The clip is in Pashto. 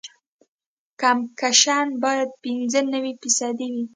کمپکشن باید پینځه نوي فیصده وي